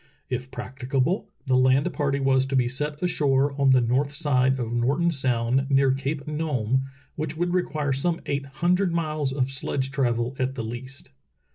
If practicable the land party was to be set ashore on the north side of Norton Sound, near Cape Nome, which would require some eight hundred miles of sledge travel at the least.